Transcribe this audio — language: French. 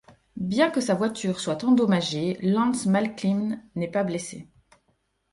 Bien que sa voiture soit endommagée, Lance Macklin n'est pas blessé.